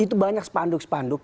itu banyak spanduk spanduk